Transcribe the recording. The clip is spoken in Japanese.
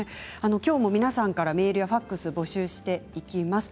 きょうも皆さんからメールやファックス、募集していきます。